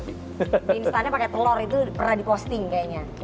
mie instannya pakai telur itu pernah diposting kayaknya